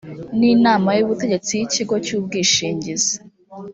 n inama y ubutegetsi y ikigo cy ubwishingizi